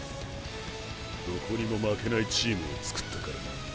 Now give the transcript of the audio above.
どこにも負けないチームをつくったからな。